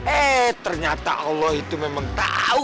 eh ternyata allah itu memang tahu